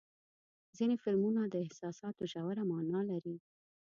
ځینې فلمونه د احساساتو ژوره معنا لري.